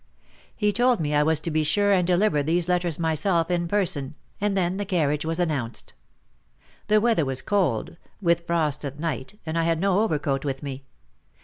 He told me I was to be sure and deliver these letters myself in person, and then the carriage was announced. The weather was cold, with frosts at night, and I had no overcoat with me.